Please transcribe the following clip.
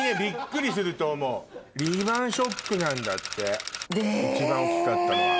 リーマンショックなんだって一番大きかったのは。